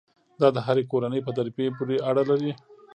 دا د هرې کورنۍ په تربیې پورې اړه لري.